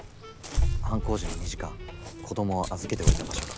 犯行時の２時間子供を預けておいた場所が。